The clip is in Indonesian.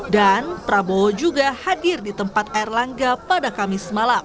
dan prabowo juga hadir di tempat air langga pada kamis malam